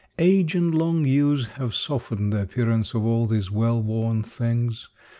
Age and long use have softened the appearance of all these well worn things.